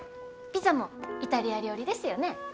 ピザもイタリア料理ですよね。